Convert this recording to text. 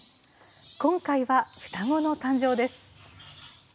今回は双子の誕生です。